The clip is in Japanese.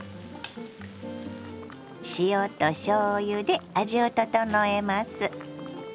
塩としょうゆで味を調えます。